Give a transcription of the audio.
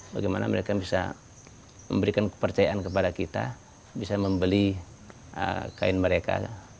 bagaimana mereka bisa memberikan kepercayaan kepada kita bisa membeli kain mereka